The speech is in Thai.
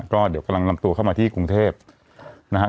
ก็เดี๋ยวกำลังนำตัวเข้ามาที่กรุงเทพนะครับ